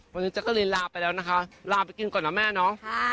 วันนี้จักรีนลาไปแล้วนะคะลาไปกินก่อนนะแม่เนาะ